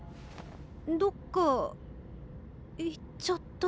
どっか行っちゃった。